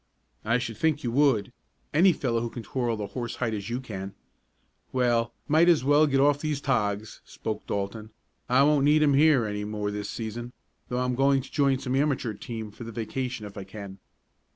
"I should think you would any fellow who can twirl the horsehide as you can. Well, might as well get off these togs," spoke Dalton. "I won't need 'em here any more this season, though I'm going to join some amateur team for the vacation if I can."